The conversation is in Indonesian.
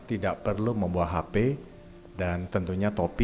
tidak perlu membawa hp dan tentunya topi